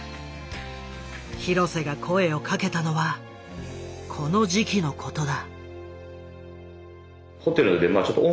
廣瀬が声をかけたのはこの時期のことだ。